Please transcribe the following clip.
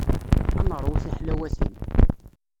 Ad neṛwu tiḥlawatin.